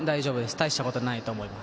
大したことはないと思います。